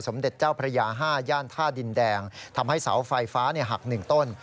สมเด็จเจ้าภรรยาห้าย่านท่าดินแดงทำให้เสาไฟฟ้าเนี่ยหักหนึ่งต้น